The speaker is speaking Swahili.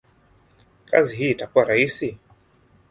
kazi hii itakuwa rahisi?